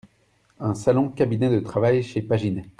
Un salon-cabinet de travail chez Paginet.